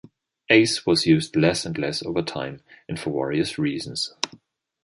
Ace was used less and less over time, and for various reasons.